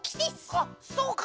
あそうか！